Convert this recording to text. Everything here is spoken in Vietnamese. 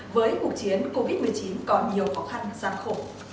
với cuộc chiến covid một mươi chín còn nhiều khó khăn gian khổ